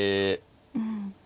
うん。